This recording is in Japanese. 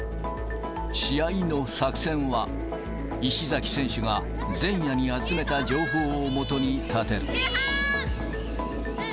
試合の作戦は、石崎選手が前夜に集めた情報をもとに立てる。